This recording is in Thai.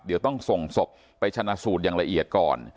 เดี๋ยวต้องส่งศพไปชนะสูตรอย่างละเอียดก่อน